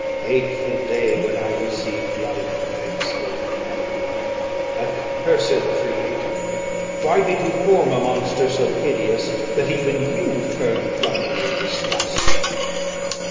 'Hateful day when I received life!' I exclaimed in agony. 'Accursed creator! Why did you form a monster so hideous that even you turned from me in disgust?